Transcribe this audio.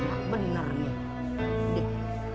apa di nerangnya